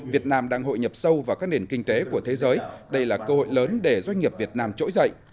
việt nam đang hội nhập sâu vào các nền kinh tế của thế giới đây là cơ hội lớn để doanh nghiệp việt nam trỗi dậy